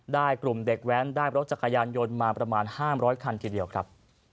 กลุ่มเด็กแว้นได้รถจักรยานยนต์มาประมาณ๕๐๐คันทีเดียวครับ